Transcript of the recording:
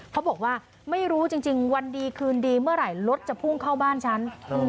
เขาบอกว่าไม่รู้จริงวันดีคืนดีเมื่อไหร่รถจะพุ่งเข้าบ้านฉัน